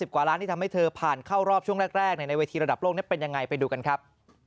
กว่าล้านที่ทำให้เธอผ่านเข้ารอบช่วงแรกในเวทีระดับโลกนี้เป็นยังไงไปดูกันครับ